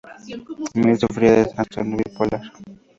Mills sufría de trastorno bipolar.